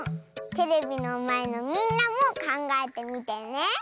テレビのまえのみんなもかんがえてみてね。